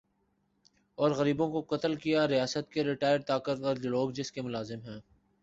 اور غریبوں کو قتل کیا ریاست کے ریٹائر طاقتور لوگ جس کے ملازم ھیں